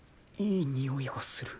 いい匂いがする